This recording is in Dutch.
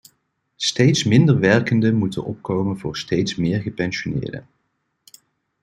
Steeds minder werkenden moeten opkomen voor steeds meer gepensioneerden.